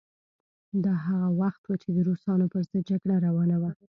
دا هغه وخت و چې د روسانو پر ضد جګړه روانه وه.